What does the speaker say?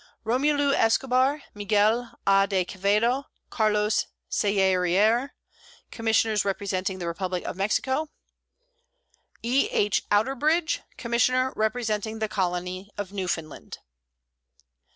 ROMULU ESCOBAR, MIGUEL A. DE QUEVEDO, CARLOS SELLERIER, Commissioners representing the Republic of Mexico. E. H. OUTERBRIDGE, Commissioner representing the Colony of Newfoundland.